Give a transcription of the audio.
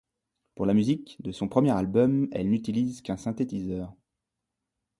Pour la musique de son premier album, elle n'utilise qu'un synthétiseur.